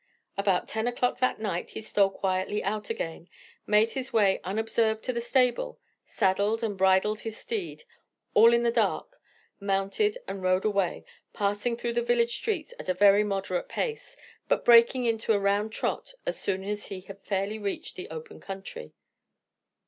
About ten o'clock that night he stole quietly out again, made his way unobserved to the stable, saddled and bridled his steed, all in the dark, mounted and rode away, passing through the village streets at a very moderate pace, but breaking into a round trot as soon as he had fairly reached the open country.